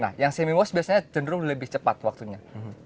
nah yang semi wash biasanya cenderung lebih cepat waktunya